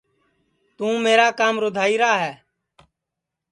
توں میرا کام رُدھائرا ہے